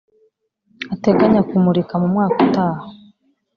ateganya kumurika mu mwaka utaha